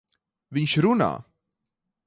Viņš runā!